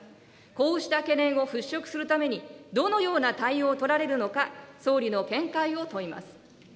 こうした懸念を払しょくするために、どのような対応を取られるのか、総理の見解を問います。